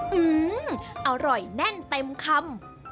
หืออร่อยแน่นเต็มคำ